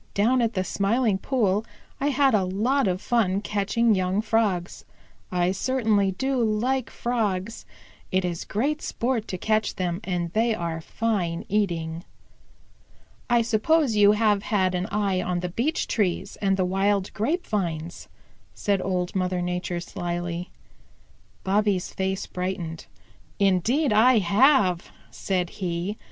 Down at the Smiling Pool I had a lot of fun catching young Frogs. I certainly do like Frogs. It is great sport to catch them, and they are fine eating." "I suppose you have had an eye on the beech trees and the wild grape vines," said Old Mother Nature slyly. Bobby's face brightened. "Indeed I have," said he.